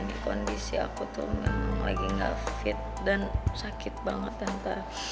ini kondisi aku tuh memang lagi nggak fit dan sakit banget tanpa